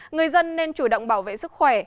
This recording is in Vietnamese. người dân nên chủ động bảo vệ sức khỏe